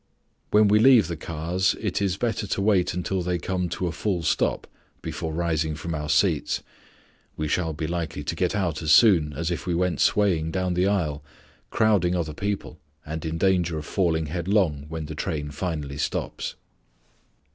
When we leave the cars it is better to wait until they come to a full stop before rising from our seats. We shall be likely to get out as soon as if we went swaying down the aisle, crowding other people, and in danger of falling headlong when the train finally stops.